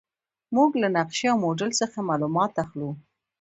موږ له نقشې او موډل څخه معلومات اخلو.